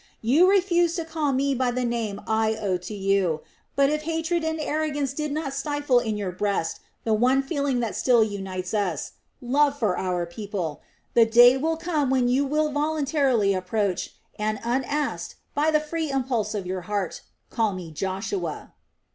You refuse to call me by the name I owe to you. But if hatred and arrogance do not stifle in your breast the one feeling that still unites us love for our people, the day will come when you will voluntarily approach and, unasked, by the free impulse of your heart, call me 'Joshua.